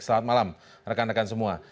selamat malam rekan rekan semua